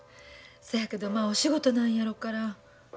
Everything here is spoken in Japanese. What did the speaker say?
そやけどまあお仕事なんやろから。